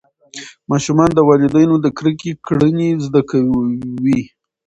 ماشومان د والدینو د کرکې کړنې زده کوي.